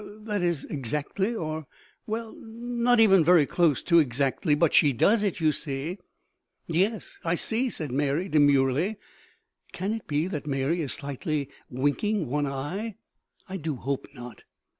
that is, exactly; or, well not even very close to exactly. But she does it, you see." "Yes, I see," said Mary, demurely, and can it be that Mary is slightly winking one eye? I do hope not.